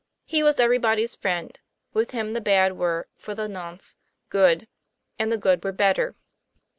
He was everybody's friend with him the bad were, for the nonce, good; and the good were better.